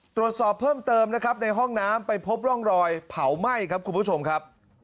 ตรวจสอบเพิ่มเติมนะครับในห้องน้ำไปพบร่องรอยเผาไหม้ครับคุณผู้ชมครับ